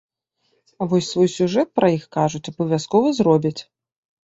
А вось свой сюжэт пра іх, кажуць, абавязкова зробяць.